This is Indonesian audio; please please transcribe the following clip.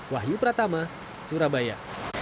wahyu pratama surabaya